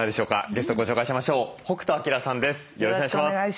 よろしくお願いします。